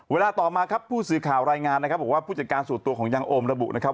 เวลาต่อมาครับผู้สื่อข่าวรายงานนะครับบอกว่าผู้จัดการส่วนตัวของยางโอมระบุนะครับ